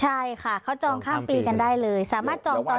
ใช่ค่ะเขาจองข้ามปีกันได้เลยสามารถจองตอน